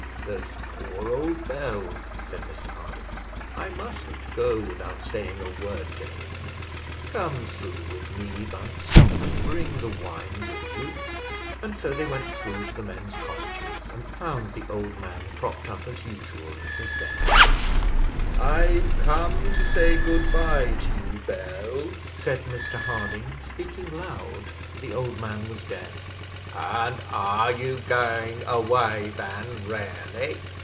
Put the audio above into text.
"There's poor old Bell," said Mr Harding; "I mustn't go without saying a word to him; come through with me, Bunce, and bring the wine with you;" and so they went through to the men's cottages, and found the old man propped up as usual in his bed. "I've come to say good bye to you, Bell," said Mr Harding, speaking loud, for the old man was deaf. "And are you going away, then, really?"